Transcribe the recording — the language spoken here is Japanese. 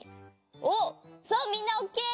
おおそうみんなオッケー！